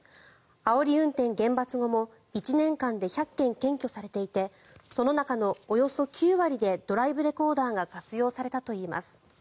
あおり運転厳罰後も１年間で１００件検挙されていてその中のおよそ９割でドライブレコーダーが活用されたといいます。